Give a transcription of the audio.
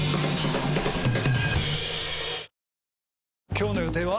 今日の予定は？